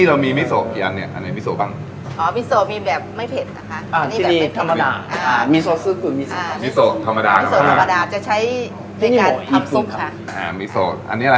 ใช่ชื่นคุณคิ้มุราษนะคะ